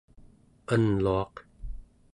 anluaq